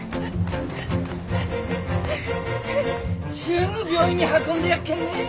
すぐ病院に運んでやっけんね。